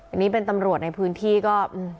อันนี้เป็นตำรวจในพื้นที่ก็